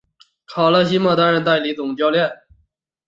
卡勒西莫担任代理总教练。